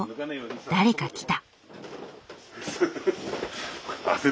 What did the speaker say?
誰か来た。